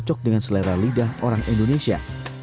cocok dengan selera lidah orang indonesia